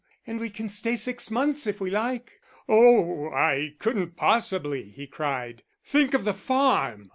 And we can stay six months if we like." "Oh, I couldn't possibly," he cried. "Think of the farm."